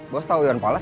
bos tau iwan pales